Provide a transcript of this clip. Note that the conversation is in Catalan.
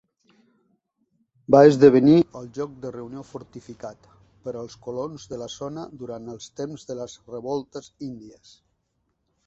Va esdevenir el lloc de reunió fortificat per als colons de la zona durant els temps de les revoltes índies.